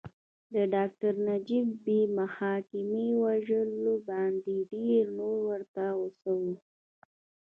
د ډاکټر نجیب بې محاکمې وژلو باندې ډېر نور ورته غوسه وو